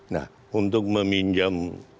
nah untuk meminjam